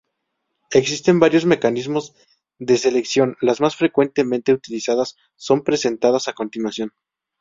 Existen varios mecanismos de selección, las más frecuentemente utilizadas son presentadas a continuación.